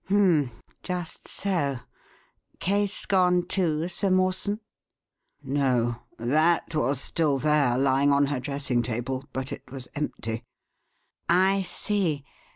"H'm! Just so! Case gone, too, Sir Mawson?" "No! That was still there, lying on her dressing table, but it was empty." "I see.